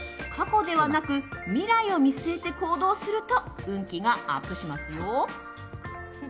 過去ではなく未来を見据えて行動すると運気がアップしますよ。